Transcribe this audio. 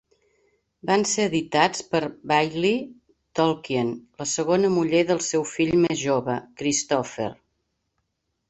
Van ser editats per Baillie Tolkien, la segona muller del seu fill més jove, Christopher.